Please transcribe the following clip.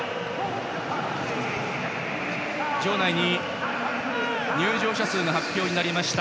場内に入場者数が発表になりました。